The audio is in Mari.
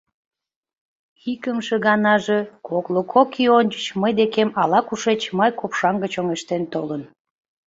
Икымше ганаже, кокло кок ий ончыч, мый декем ала-кушеч май копшаҥге чоҥештен толын.